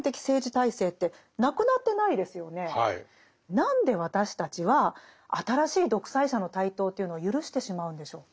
何で私たちは新しい独裁者の台頭というのを許してしまうんでしょうか。